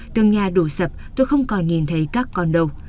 tường nhà đổ sập tôi không còn nhìn thấy các con đâu